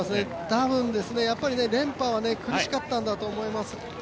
多分、やっぱり連覇は苦しかったんだと思います。